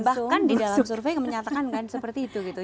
bahkan di dalam survei menyatakan kan seperti itu gitu